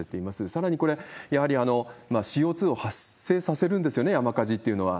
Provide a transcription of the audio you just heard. さらにこれ、やはりＣＯ２を発生させるんですよね、山火事っていうのは。